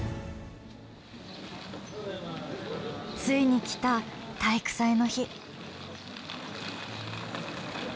ついにきた体育祭の日。